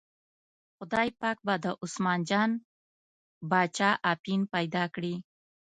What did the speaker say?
خدای پاک به د عثمان جان باچا اپین پیدا کړي.